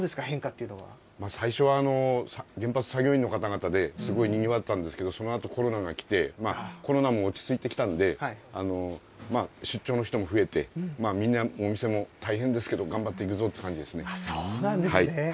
最初は原発作業員の方々ですごいにぎわったんですけど、そのあとコロナが来て、コロナも落ち着いてきたんで、出張の人も増えて、みんなお店も大変ですけど頑そうなんですね。